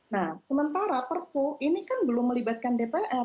nah sementara perpu ini kan belum melibatkan dpr